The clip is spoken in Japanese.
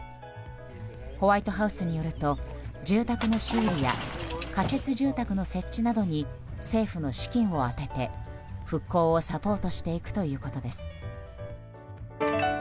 ホワイトハウスによると住宅の修理や仮設住宅の設置などに政府の資金を充てて復興をサポートしていくということです。